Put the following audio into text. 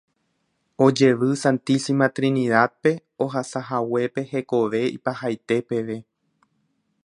ojevy Santísima Trinidad-pe ohasahaguépe hekove ipahaite peve